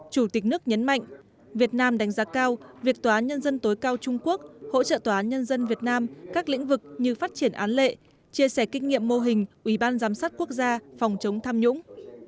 chủ tịch nước nhấn mạnh việt nam đánh giá cao việc tòa án nhân dân tối cao trung quốc hỗ trợ tòa án nhân dân việt nam các lĩnh vực như phát triển án lệ chia sẻ kinh nghiệm mô hình ủy ban giám sát quốc gia phòng chống tham nhũng